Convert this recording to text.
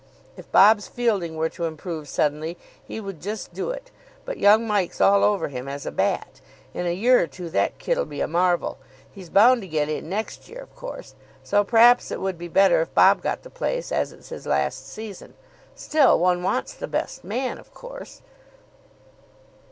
If Bob's fielding were to improve suddenly, he would just do it. But young Mike's all over him as a bat. In a year or two that kid'll be a marvel. He's bound to get in next year, of course, so perhaps it would be better if Bob got the place as it's his last season. Still, one wants the best man, of course."